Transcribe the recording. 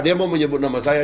dia mau menyebut nama saya